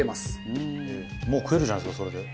もう食えるじゃないですかそれで。